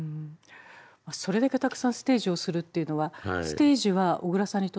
それだけたくさんステージをするっていうのはステージは小椋さんにとってどういう場？